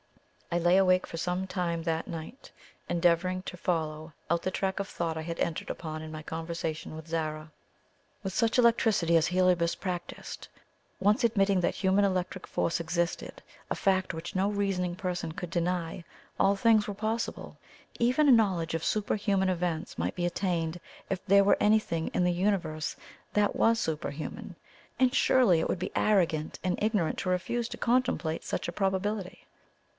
I lay awake for some time that night, endeavouring to follow out the track of thought I had entered upon in my conversation with Zara. With such electricity as Heliobas practised, once admitting that human electric force existed, a fact which no reasoning person could deny, all things were possible. Even a knowledge of superhuman events might be attained, if there were anything in the universe that WAS superhuman; and surely it would be arrogant and ignorant to refuse to contemplate such a probability.